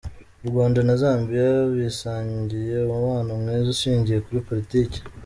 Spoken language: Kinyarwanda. U Rwanda na Zambia bisangiye umubano mwiza ushingiye kuri Politiki.